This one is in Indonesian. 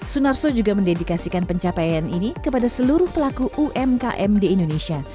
sunarso juga mendedikasikan pencapaian ini kepada seluruh pelaku umkm di indonesia